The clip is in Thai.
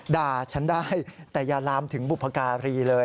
ฉันได้แต่อย่าลามถึงบุพการีเลย